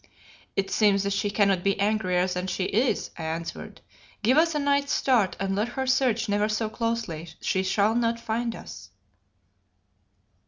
"It seems that she cannot be angrier than she is," I answered. "Give us a night's start and let her search never so closely, she shall not find us."